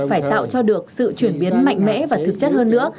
phải tạo cho được sự chuyển biến mạnh mẽ và thực chất hơn nữa